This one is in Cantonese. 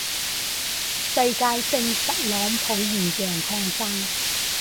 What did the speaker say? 世界性特朗普現象擴散